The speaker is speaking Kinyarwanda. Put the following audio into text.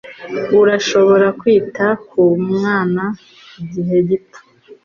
Urashobora kwita ku mwana igihe gito?